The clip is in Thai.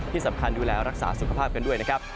ที่สำคัญดูแลรักษาสุขภาพกันด้วยนะครับ